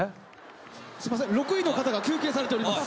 すいません６位の方が休憩されております。